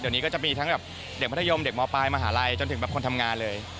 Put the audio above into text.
เดี๋ยวนี้ก็จะมีทั้งแบบเด็กมัธยมเด็กมปลายมหาลัยจนถึงแบบคนทำงานเลย